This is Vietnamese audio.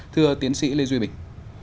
thưa tiến sĩ lê duy bình